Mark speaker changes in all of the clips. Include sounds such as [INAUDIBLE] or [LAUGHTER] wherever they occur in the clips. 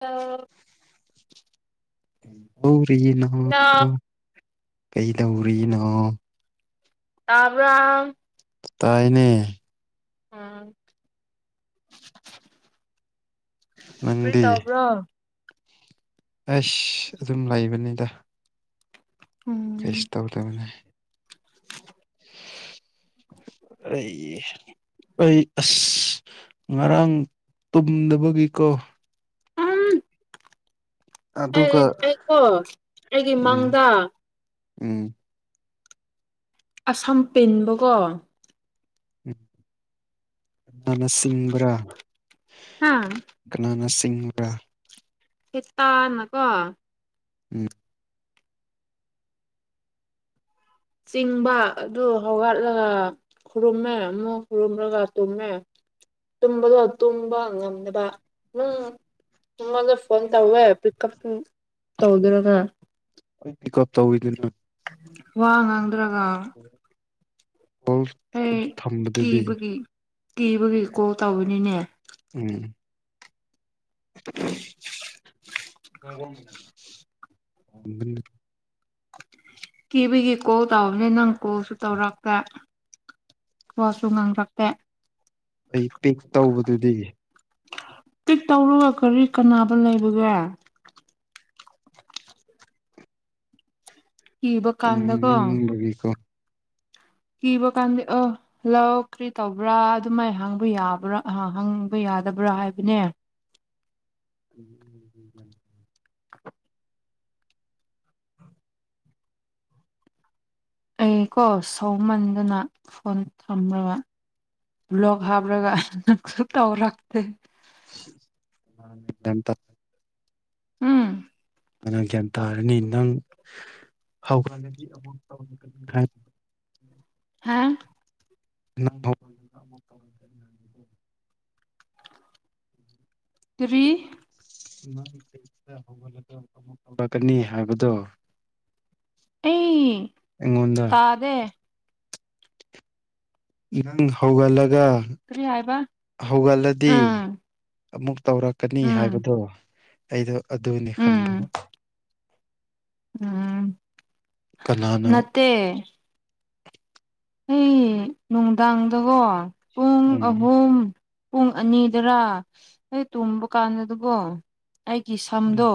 Speaker 1: ꯑ
Speaker 2: ꯀꯩꯗꯧꯔꯤꯅ ꯀꯩꯗꯧꯔꯤꯅ
Speaker 1: ꯇꯕ
Speaker 2: ꯇꯥꯏꯅꯦ
Speaker 1: ꯎꯝ
Speaker 2: ꯅꯪꯗꯤ
Speaker 1: ꯄꯔꯤꯇꯥ ꯑꯞ꯭ꯔꯣ
Speaker 2: ꯑꯁ ꯑꯗꯨꯝ ꯂꯩꯕꯅꯤꯗ ꯀ ꯀꯩ
Speaker 1: ꯎꯝ
Speaker 2: ꯏꯁꯇꯕꯨ ꯇ ꯃꯅꯦ
Speaker 1: [INAUDIBLE]
Speaker 2: ꯑ ꯑꯩ ꯑꯁ ꯉꯔꯥꯡ ꯇꯨꯝꯗꯕꯒꯤꯀꯣ
Speaker 1: ꯎꯝ ꯑꯩ
Speaker 2: ꯑꯗꯨꯒ
Speaker 1: ꯑꯩꯀꯣ ꯑꯩꯒꯤ
Speaker 2: ꯎꯝ
Speaker 1: ꯃꯪꯗ
Speaker 2: ꯎꯝ
Speaker 1: ꯑꯁꯝ ꯄꯤꯟꯕꯀꯣ
Speaker 2: ꯎꯝꯅ ꯆꯁꯤꯡꯕ꯭ꯔꯥ
Speaker 1: ꯍꯥ
Speaker 2: ꯅꯥꯅ ꯁꯤꯡ ꯔꯥ
Speaker 1: ꯍꯦꯠꯇꯅꯀꯣ
Speaker 2: ꯎꯝ
Speaker 1: ꯆꯤꯡꯕ ꯑꯗꯨ ꯍꯧꯒꯠꯂꯒ ꯈꯨꯔꯨꯝꯃꯦ ꯑꯃ ꯈꯨꯔꯨꯝꯨꯝꯅꯒ ꯇꯃꯦ ꯇꯨꯝꯕꯗꯣ ꯇꯨꯝꯕ ꯉꯝꯅꯕ ꯅꯝ ꯁꯃꯗ ꯐꯣꯟꯣꯟ ꯇꯧꯋꯦ ꯄꯤꯛꯞ ꯇꯧꯗ꯭ꯔꯅ
Speaker 2: ꯑꯩ ꯀꯞ ꯑꯣꯏꯗꯅ
Speaker 1: ꯋꯥ ꯉꯥꯡꯗ꯭ꯔꯒ
Speaker 2: ꯍꯣꯜ
Speaker 1: ꯑꯩ
Speaker 2: ꯑꯗꯨ ꯊꯝꯕꯗꯨꯗꯤ
Speaker 1: ꯀꯤꯕꯒꯤ ꯀꯤꯕꯒꯤ ꯀꯣꯜ ꯇꯧꯕꯔꯤꯅꯤꯅꯦ
Speaker 2: ꯎꯝ ꯀ
Speaker 1: ꯀꯤꯕꯤꯒꯤ ꯀꯣ ꯇꯕꯅꯦ ꯅꯪ ꯀꯣꯁꯨ ꯇꯧꯔꯛꯇꯦ ꯀꯣꯁꯨ ꯉꯥꯡꯔꯛꯇꯦ
Speaker 2: ꯑꯩ ꯄꯤꯛ ꯇꯧꯕꯗꯨꯗꯤ
Speaker 1: ꯄꯤꯛ ꯇꯧꯔꯒ ꯀꯔꯤ ꯀꯅꯥꯅꯕ ꯂꯩꯕꯒꯦ ꯀꯤꯕ ꯀꯥꯟꯗꯀꯣ
Speaker 2: ꯇꯕꯒꯀꯣ
Speaker 1: ꯀꯤꯕ ꯀꯥꯟꯗ ꯑ ꯂꯧ ꯀꯔꯤ ꯇꯧꯕ꯭ꯔꯥ ꯑꯗꯨꯃꯥꯏ ꯍꯥꯡꯕ ꯌꯥꯕ꯭ꯔꯥ ꯍꯥꯡꯕ ꯌꯥ ꯌꯥꯗꯕ꯭ꯔꯥ ꯍꯥꯏꯕꯅꯦ
Speaker 2: ꯎ
Speaker 1: ꯑꯩ ꯀꯣ ꯁꯧꯃꯟꯗꯨꯅ ꯐꯣꯟ ꯊꯝꯕ ꯂ ꯍꯥꯞ ꯂꯒꯔꯇ
Speaker 2: ꯑꯗꯇ
Speaker 1: ꯎꯝ
Speaker 2: ꯃꯥꯅ ꯒ꯭ꯌꯥꯟ ꯇꯥꯔꯅꯤ ꯅꯪ ꯍꯧꯈ꯭ꯔꯒꯗꯤ ꯑꯃ ꯇꯧꯔꯅꯤ
Speaker 1: ꯍꯥ
Speaker 2: ꯕꯗ ꯃꯨꯛꯇ ꯋꯥꯗꯒꯤ ꯅꯨ
Speaker 1: ꯇ꯭ꯔꯤ
Speaker 2: ꯠ ꯇꯧꯔꯛꯀꯅꯤ ꯍꯥꯏꯕꯗꯣ
Speaker 1: ꯑꯩ
Speaker 2: ꯑꯩꯉꯣꯟꯗ
Speaker 1: ꯇꯥꯗꯦ
Speaker 2: ꯅꯪ ꯍꯧꯒꯠꯂꯒ
Speaker 1: ꯀꯔꯤ ꯍꯥꯏꯕ
Speaker 2: ꯍꯧꯒꯠꯂꯗꯤ
Speaker 1: ꯎꯝ
Speaker 2: ꯑꯃꯨꯛ ꯇꯧꯔꯛꯀꯅꯤ
Speaker 1: ꯎꯝ
Speaker 2: ꯍꯥꯏꯕꯗꯣ ꯑꯩꯗꯣ ꯑꯗꯨꯅꯤ ꯈꯟꯕ
Speaker 1: ꯎꯝ ꯎꯝ
Speaker 2: ꯀꯅꯥꯅꯣ
Speaker 1: ꯅꯠꯇꯦ ꯑꯩ ꯅꯨꯡꯗꯥꯡꯗꯀꯣ ꯄꯨꯡ
Speaker 2: ꯎꯝ
Speaker 1: ꯑꯍꯨꯝ ꯄꯨꯡ ꯑꯅꯤꯗꯔꯥ ꯍꯣꯏ ꯇꯨꯝꯕ ꯀꯥꯟꯗ ꯑꯗꯨꯕꯣ ꯑꯩꯒꯤ ꯁꯝꯗꯣ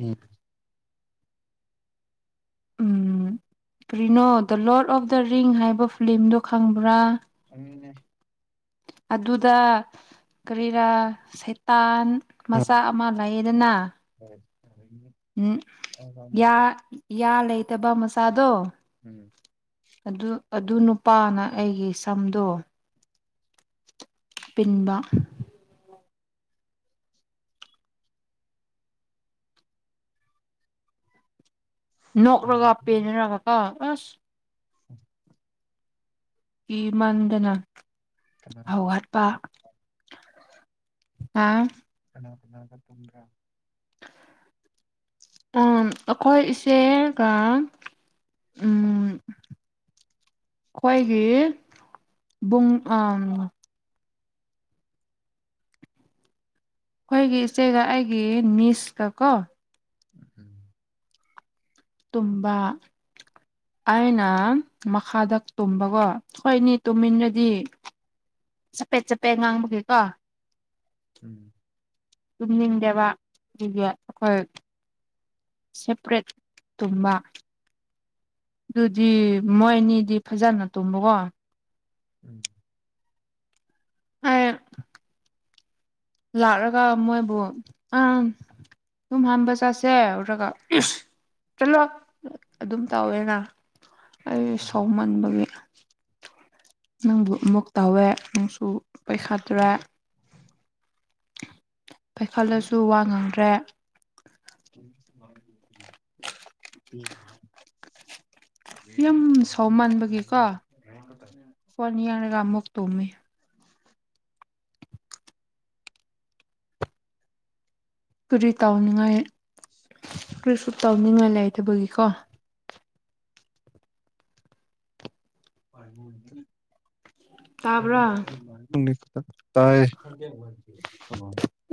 Speaker 2: ꯎꯝ
Speaker 1: ꯎꯝ ꯀꯔꯤꯅꯣ the Lord of the ring ꯍꯥꯏꯕ ꯐꯤꯤꯂꯝꯗꯣ ꯈꯪꯕ꯭ꯔꯥ
Speaker 2: ꯑꯗꯨꯅꯦ
Speaker 1: ꯑꯗꯨꯗ ꯀꯔꯤꯔꯥ ꯁꯩꯇꯥꯟ
Speaker 2: ꯎꯝ
Speaker 1: ꯃꯆꯥ ꯑꯃ ꯂꯩꯌꯦꯗꯅ ꯎꯝ ꯌꯥ ꯂꯩꯇꯕ ꯃꯆꯥꯗꯣ
Speaker 2: ꯎꯝ
Speaker 1: ꯑꯗꯨ ꯑꯗꯨ ꯅꯨꯄꯥꯅ ꯑꯩꯒꯤ ꯁꯝꯗꯣ ꯄꯤꯟꯕ ꯅꯀ꯭ꯔꯒꯞꯄꯦꯅꯦꯔ ꯀꯥ ꯀꯥ ꯑꯁ
Speaker 2: ꯎ
Speaker 1: ꯏ ꯃꯥꯡꯗꯅ
Speaker 2: ꯀꯅꯥ
Speaker 1: ꯍꯧꯒꯠꯄ
Speaker 2: ꯀꯅꯥ
Speaker 1: ꯑ
Speaker 2: ꯀꯅꯥ ꯀꯅꯥꯒ ꯇꯨꯝꯕ꯭ꯔꯥ
Speaker 1: ꯑꯩꯈꯣꯏ ꯏꯆꯦꯒ ꯎꯝ ꯑꯩꯈꯣꯏꯒꯤꯡ ꯑ ꯑꯩꯈꯣꯏꯒꯤ ꯏꯆꯦꯒ ꯑꯩꯒꯤ ꯃꯤꯁꯀ ꯀꯣ
Speaker 2: ꯎꯝ
Speaker 1: ꯇꯨꯝꯕ ꯑꯩꯅ ꯃꯈꯥꯗꯛ ꯇꯨꯝꯕꯀꯣ ꯍꯣꯏꯅꯤ ꯇꯨꯝꯃꯤꯟ꯭ꯔꯗꯤ ꯆꯞꯄꯦꯠ ꯆꯄꯦꯠ ꯉꯥꯡꯕꯒꯤ ꯀꯣ
Speaker 2: ꯎꯝ
Speaker 1: ꯇꯨꯝꯅꯤꯡꯗꯕ ꯑꯒꯤ ꯑꯩꯈꯣꯏ ꯁꯦꯄꯔꯦꯠ ꯇꯨꯝꯕ ꯑꯗꯨꯗꯤ ꯃꯣꯏꯅꯤꯗꯤ ꯐꯖꯅ ꯇꯨꯝꯕꯀꯣ
Speaker 2: ꯎꯝ
Speaker 1: ꯑ ꯂꯥꯛꯂꯒ ꯃꯣꯏꯕꯨ ꯑ ꯁꯨꯝ ꯍꯥꯟꯕ ꯆꯠꯁꯦ ꯎꯔꯒ ꯆꯠꯂꯣ ꯑꯗꯨꯝ ꯇꯧꯋꯦꯅ ꯑꯩ
Speaker 2: ꯀꯅꯥ
Speaker 1: ꯁꯥꯎꯃꯟꯕꯒꯤ ꯅꯪꯕꯨ ꯑꯃꯨꯛ ꯇꯧꯋꯦ ꯅꯪꯁꯨ ꯄꯩꯈꯥꯠꯇ꯭ꯔꯦ ꯄꯩꯈꯜꯂꯁꯨ ꯋꯥ ꯉꯥꯡꯗ꯭ꯔꯦ
Speaker 2: [INAUDIBLE]
Speaker 1: ꯌꯥꯝ ꯁꯥꯎ ꯃꯥꯟꯕꯒꯤꯀꯣ ꯍꯅꯤ ꯌꯥꯔꯒꯥ ꯑꯃꯨꯛ ꯇꯣꯃꯤ ꯀꯔꯤ ꯇꯥꯎꯅꯤꯡꯉꯥꯏ ꯀꯔꯤꯁꯨ ꯇꯧꯅꯤꯡꯉꯥꯏ ꯂꯩꯇꯕꯒꯤꯀꯣ
Speaker 2: ꯇꯥꯏ ꯃ
Speaker 1: ꯇꯥꯕ꯭ꯔꯥ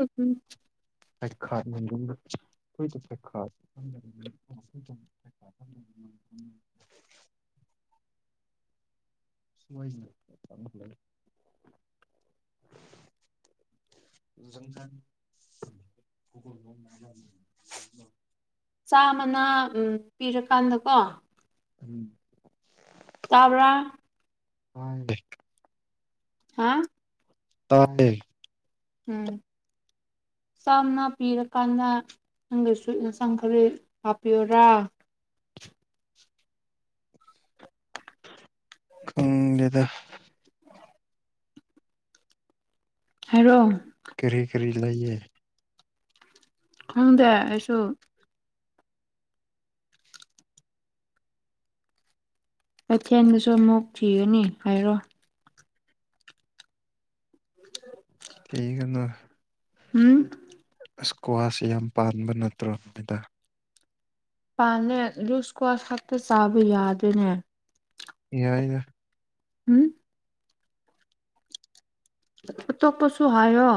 Speaker 1: ꯎꯝ
Speaker 2: ꯊ ꯈꯥ ꯈ
Speaker 1: [INAUDIBLE]
Speaker 2: ꯁꯣꯏ ꯅ ꯆꯦ
Speaker 1: [INAUDIBLE]
Speaker 2: ꯪꯀ
Speaker 1: ꯆꯥꯃꯅ ꯄꯤꯔꯀꯥꯟꯗꯀꯣ
Speaker 2: ꯎꯝ
Speaker 1: ꯇꯥꯕ꯭ꯔ
Speaker 2: ꯍ
Speaker 1: ꯍꯥ
Speaker 2: ꯇꯥꯟꯗ
Speaker 1: ꯎꯝ ꯆꯥꯝꯅꯥ ꯄꯤꯔꯀꯥꯟꯗ ꯅꯪꯗꯁꯨ ꯌꯦꯟꯁꯥꯡ ꯈꯔ ꯍꯥꯞꯄꯤꯌꯔꯥ
Speaker 2: ꯎꯗꯗ
Speaker 1: ꯍꯥꯏꯔꯣ
Speaker 2: ꯇꯔꯤ ꯂꯩꯌꯦ
Speaker 1: ꯈꯪꯗꯦ ꯑꯩꯁꯨ ꯀꯩꯊꯦꯜꯗꯁꯨ ꯑꯃꯨꯛ ꯊꯤꯒꯅꯤ ꯍꯥꯏꯔꯣ ꯎ
Speaker 2: ꯊꯒꯅ
Speaker 1: ꯎꯝ
Speaker 2: ꯏꯁꯀ꯭ꯋꯥꯁ ꯌꯥꯝ ꯄꯥꯟꯕ ꯅꯠꯇ꯭ꯔꯣ ꯃꯤꯅꯤꯗ
Speaker 1: ꯄꯥꯅꯦ ꯂꯨꯁ ꯀ꯭ꯋꯥꯁ ꯈꯛꯇ ꯆꯥꯕ ꯌꯥꯗꯅꯦ
Speaker 2: ꯌꯥꯏꯗ
Speaker 1: ꯎꯝ ꯑ ꯇꯣꯛꯄꯁꯨ ꯍꯥꯏꯌꯣ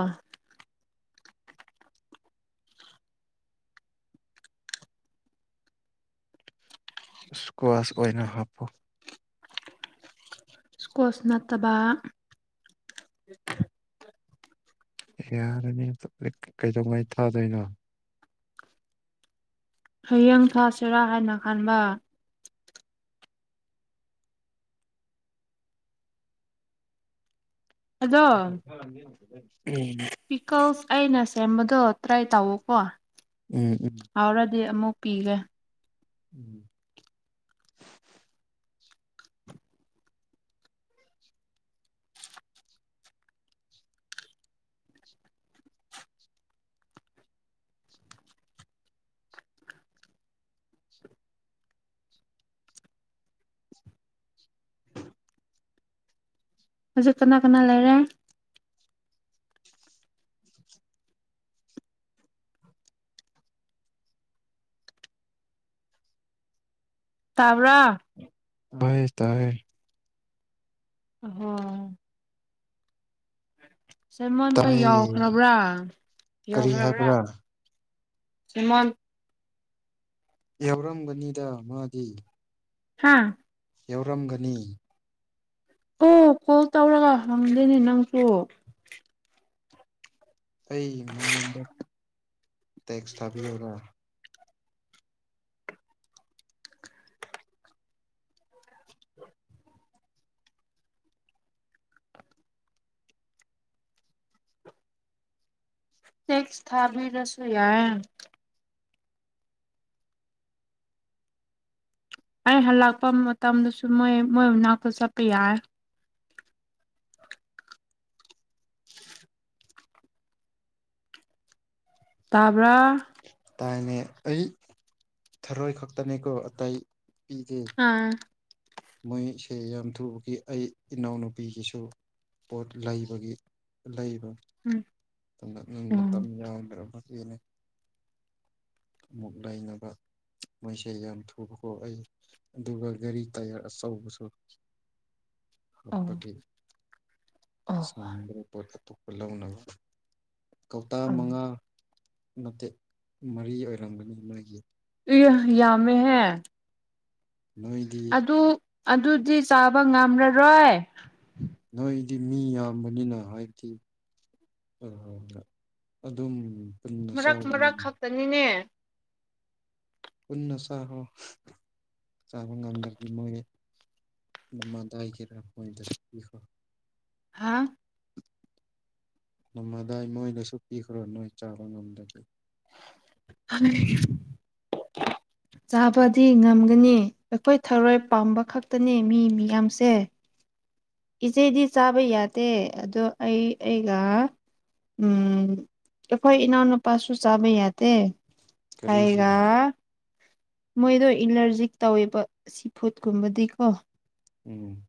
Speaker 2: ꯁꯀ꯭ꯋꯥꯁ ꯑꯣꯏꯅ ꯍꯥꯞꯄꯨ
Speaker 1: ꯏꯁꯀꯣꯁ ꯅꯠꯇꯕ
Speaker 2: ꯌꯥꯔꯅꯤ ꯀꯩꯗꯧꯉꯥꯏ ꯊꯥꯗꯣꯏꯅꯣ
Speaker 1: ꯍꯌꯦꯡ ꯊꯥꯥꯁꯦꯔꯥ ꯍꯥꯏꯅ ꯈꯟꯕ ꯑꯗꯣ ꯄꯤꯀꯣꯁ ꯑꯩꯅ ꯁꯦꯝꯕꯗꯣ ꯇ꯭ꯔꯥꯏ ꯇꯥꯑꯣꯀꯣ
Speaker 2: ꯎꯝ
Speaker 1: ꯌꯥꯥꯎꯔꯗꯤ ꯑꯃꯨꯛ ꯄꯤꯒꯦ
Speaker 2: ꯎꯝ
Speaker 1: ꯍꯧꯖꯤꯛ ꯀꯅꯥ ꯀꯅꯥ ꯂꯩꯔꯦ ꯇꯥꯕ꯭ꯔꯥ
Speaker 2: ꯁ ꯇꯔ
Speaker 1: ꯍ ꯁꯦꯃꯣꯟꯄ
Speaker 2: ꯇꯥꯏꯌꯦ
Speaker 1: ꯌꯥꯎꯈ꯭ꯔꯕ꯭ꯔꯥ
Speaker 2: ꯀꯔꯤ
Speaker 1: ꯌꯥꯎꯈ꯭ꯔꯕ꯭ꯔꯥ
Speaker 2: ꯍꯥꯏꯕ꯭ꯔꯥ
Speaker 1: ꯁꯤꯃꯥꯟ
Speaker 2: ꯌꯥꯎꯔꯝꯒꯅꯤꯗ ꯃꯥꯗꯤ
Speaker 1: ꯍꯥꯥ
Speaker 2: ꯌꯥꯎꯔꯝꯒꯅꯤ
Speaker 1: ꯑꯣ ꯀꯣꯜ ꯇꯧꯔꯒ ꯍꯪꯗꯣꯏꯅꯦ ꯅꯪꯁꯨ
Speaker 2: ꯑꯩ ꯃꯉꯣꯟꯗ ꯇꯦꯛꯁ ꯊꯥꯕꯤꯌꯔꯥ
Speaker 1: ꯇꯦꯛꯁ ꯊꯥꯕꯤ ꯔꯁꯣꯌꯥꯏ ꯑꯩ ꯍꯜꯂꯛꯄ ꯃꯇꯝꯗꯁꯨ ꯃꯣꯏ ꯃꯣꯏ ꯃꯅꯥꯛꯇ ꯆꯠꯄ ꯌꯥꯔꯦ ꯇꯥꯕ꯭ꯔꯥ
Speaker 2: ꯇꯥꯏꯅꯦ ꯑꯩ ꯊꯔꯣꯏ ꯈꯛꯇꯅꯤꯀꯣ ꯑꯇꯩ ꯄꯤꯗꯦ
Speaker 1: ꯑꯥ
Speaker 2: ꯃꯣꯏꯁꯦ ꯌꯥꯝ ꯊꯨꯕꯒꯤ ꯑꯩ ꯏꯅꯥꯎꯅꯨꯄꯤꯒꯤꯁꯨ ꯄꯣꯠ ꯂꯩꯕꯒꯤ ꯂꯩꯕ
Speaker 1: ꯎꯝ
Speaker 2: ꯑꯗꯨꯗꯪ
Speaker 1: ꯎꯝ
Speaker 2: ꯃꯇꯝ ꯌꯥꯝꯎꯗ꯭ꯔꯕ ꯟꯅ ꯑꯃꯨꯛ ꯂꯩꯅꯕ ꯃꯣꯏꯁꯦ ꯌꯥꯝ ꯊꯨꯕ ꯈꯣ ꯑꯩ ꯑꯗꯨꯒ ꯒꯥꯔꯤ ꯇꯥꯏꯌꯥꯔ ꯑꯆꯧꯕꯁꯨ
Speaker 1: [UNINTELLIGIBLE] ꯑꯣ
Speaker 2: ꯑꯒꯤ
Speaker 1: ꯑꯣ
Speaker 2: ꯁꯨꯗ꯭ꯔ ꯄꯠꯇ ꯑꯇꯣꯞꯄ ꯂꯧꯅꯕ ꯀꯧꯇꯥ
Speaker 1: ꯑꯣ
Speaker 2: ꯃꯉꯥ ꯃꯇꯦꯠ ꯃꯔꯤ ꯑꯣꯏꯔꯝꯒꯅꯤ ꯃꯣꯏꯒꯤ
Speaker 1: ꯌꯥꯃꯦ ꯍꯥꯏ
Speaker 2: ꯅꯣꯏꯗꯤ
Speaker 1: ꯑꯗꯨꯗꯤ ꯆꯥꯕ ꯉꯝꯂꯔꯣꯏ
Speaker 2: ꯅꯣꯏꯗꯤ ꯃꯤ ꯌꯥꯝꯕꯅꯤꯅ ꯍꯥꯏꯗꯤ ꯍ ꯍꯣꯏ ꯍꯣꯏ ꯑꯗꯨꯝ ꯄꯨꯟꯅ
Speaker 1: ꯃꯔꯛ ꯃꯔꯛ
Speaker 2: ꯆꯥꯕꯅꯤꯅ
Speaker 1: ꯈꯛꯇꯅꯤꯅꯦ
Speaker 2: ꯄꯨꯟꯅ ꯆꯍꯣ ꯆꯕꯒꯗꯔꯒꯤ ꯃꯒꯦ ꯗ ꯀꯔꯣꯏꯣ
Speaker 1: ꯍꯥ
Speaker 2: ꯅꯃꯗꯥꯏ ꯃꯣꯏꯗꯁꯨ ꯄꯤꯈ꯭ꯔꯣ ꯅꯣꯏ ꯆꯥꯕ ꯉꯝꯗꯒꯦ
Speaker 1: [UNINTELLIGIBLE] ꯆꯥꯕꯗꯤ ꯉꯝꯒꯅꯤ ꯑꯩꯈꯣꯏ ꯊꯧꯔꯣꯏ ꯄꯥꯝꯕ ꯈꯛꯇꯅꯤ ꯃꯤ ꯃꯤꯌꯥꯝꯁꯦ ꯏꯆꯦꯗꯤ ꯆꯥꯕ ꯌꯥꯗꯦ ꯑꯗꯣ ꯑꯩ ꯑꯩꯒ ꯎꯝ ꯑꯩꯈꯣꯏ ꯏꯅꯥꯎꯅꯨꯄꯥꯁꯨ ꯆꯥꯕ ꯌꯥꯗꯦ
Speaker 2: ꯀꯔꯤꯒꯤ
Speaker 1: ꯑꯩꯒ ꯃꯣꯏꯗꯣ ꯑꯦꯂꯔꯖꯤꯛ ꯇꯧꯋꯦꯕ ꯁꯤꯐꯨꯠꯀꯨꯝꯕꯗꯤꯀꯣ
Speaker 2: ꯎꯝ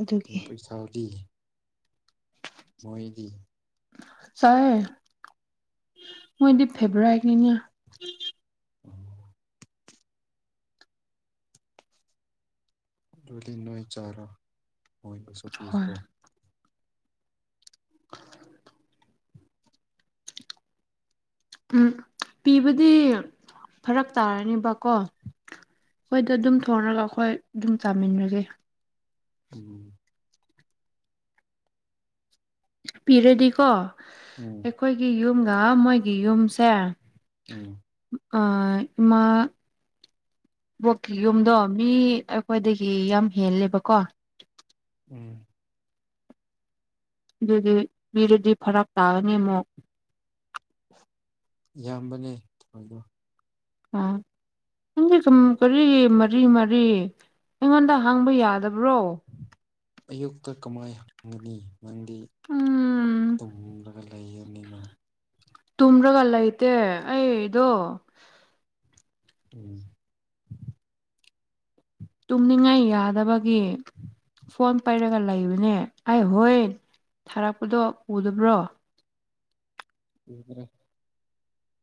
Speaker 1: ꯑꯗꯨꯒꯤ
Speaker 2: ꯄꯩꯁꯥꯎꯗꯤ ꯃꯣꯍꯤꯗꯤ
Speaker 1: ꯆꯥꯏ ꯃꯣꯏ ꯏꯗꯤ ꯐꯦꯕ꯭ꯔꯥꯏ ꯀꯅꯤ
Speaker 2: ꯎꯝ ꯑꯗꯨꯂꯤ ꯅꯣꯏ ꯆꯥꯔ ꯍꯣꯏꯅꯁꯨ
Speaker 1: ꯍꯣꯏ
Speaker 2: ꯄꯤꯈ꯭ꯔꯣ
Speaker 1: [UNINTELLIGIBLE] ꯎꯝ ꯄꯤꯕꯗꯤ ꯐꯔꯛ ꯇꯥꯔꯅꯤꯕꯀꯣ ꯑꯩꯈꯣꯏꯗ ꯑꯗꯨꯝ ꯊꯣꯡꯔꯒ ꯑꯩꯈꯣꯏ ꯑꯗꯨꯝ ꯆꯥꯃꯤꯟꯅꯒꯦ
Speaker 2: ꯎꯝ
Speaker 1: ꯄꯤꯔꯗꯤꯀꯣ
Speaker 2: ꯎꯝ
Speaker 1: ꯑꯩꯈꯣꯏꯒꯤ ꯌꯨꯝꯒ ꯃꯣꯏꯒꯤ ꯌꯨꯝꯁꯦ
Speaker 2: ꯎꯝ
Speaker 1: ꯃꯥ ꯕꯣꯛꯀꯤ ꯌꯨꯝꯗꯣ ꯃꯤ ꯑꯩꯈꯣꯏꯗꯒꯤ ꯌꯥꯝ ꯍꯦꯜꯂꯦꯕꯀꯣ
Speaker 2: ꯎꯝ
Speaker 1: ꯑꯗꯨꯗꯤ ꯄꯤꯔꯗꯤ ꯐꯔꯛ ꯇꯥꯒꯅꯤ ꯑꯃꯨꯛ
Speaker 2: ꯌꯥꯝꯕꯅꯦ ꯊꯗꯣ
Speaker 1: ꯑ ꯀꯔꯤ ꯃꯔꯤ ꯃꯔꯤ ꯑꯩꯉꯣꯟꯗ ꯍꯥꯡꯕ ꯌꯥꯗꯕ꯭ꯔꯣ
Speaker 2: ꯑꯌꯨꯛꯇ ꯀꯃꯥꯏꯅ ꯍꯪꯒꯅꯤ ꯅꯪꯗꯤ
Speaker 1: ꯎꯝ
Speaker 2: ꯇꯨꯝꯂꯒ ꯂꯩ ꯄꯤꯔꯅꯤꯃꯥ
Speaker 1: ꯇꯨꯝ꯭ꯔꯒ ꯂꯩꯇꯦ ꯑꯩꯗꯣ
Speaker 2: ꯎꯝ
Speaker 1: ꯇꯨꯝꯅꯤꯡꯉꯥꯏ ꯌꯥꯗꯕꯒꯤ ꯐꯣꯟ ꯄꯩꯔꯒ ꯂꯩꯕꯅꯦ ꯑꯩ ꯍꯣꯏ ꯊꯥꯔꯛꯄꯗꯣ ꯎꯗꯕ꯭ꯔꯣ
Speaker 2: ꯎꯗ꯭ꯔꯦ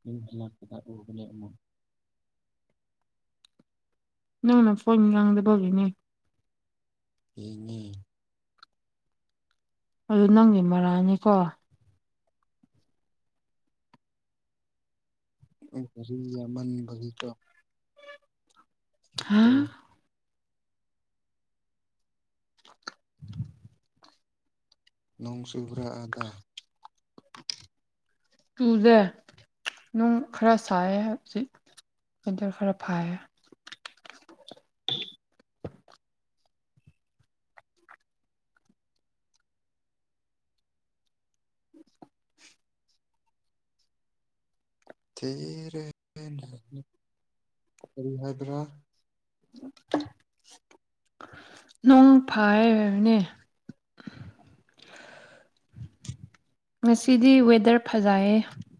Speaker 2: ꯃꯤ ꯎꯕꯅꯦ ꯑꯃꯃꯨꯡ
Speaker 1: ꯅꯪꯅ ꯐꯣꯟ ꯉꯥꯡꯗꯕꯅꯦ
Speaker 2: ꯏꯉ
Speaker 1: ꯑꯗꯨ ꯅꯪꯗꯤ ꯃꯔꯥꯅꯤꯀꯣ
Speaker 2: ꯎ ꯐ ꯃꯕ ꯇ
Speaker 1: ꯍꯥ
Speaker 2: ꯁꯠꯇ
Speaker 1: [INAUDIBLE]
Speaker 2: ꯅꯣꯡꯁꯨꯨꯕ꯭ꯔꯥ ꯑꯗꯥ
Speaker 1: ꯇꯨꯗ ꯅꯨꯡ ꯈꯔ ꯁꯥꯏ ꯍꯧꯖꯤꯛ ꯁꯋꯦꯟꯇꯔ ꯈꯔ ꯐꯥꯏꯌꯦ
Speaker 2: ꯊꯔꯤ ꯍꯥꯏꯗ꯭ꯔ
Speaker 1: ꯎ ꯅꯣꯡ ꯐꯥꯏꯔꯅꯦ ꯉꯁꯤꯗꯤ ꯋꯦꯗꯔ ꯐꯖꯌꯦ